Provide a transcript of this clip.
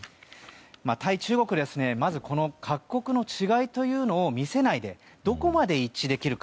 対中国、まずこの各国の違いというのを見せないでどこまで一致できるか。